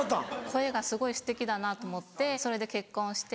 声がすごいすてきだなと思ってそれで結婚して。